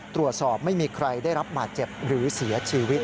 ไม่มีใครได้รับบาดเจ็บหรือเสียชีวิต